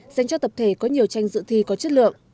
dành cho tập thể có nhiều tranh dự thi có chất lượng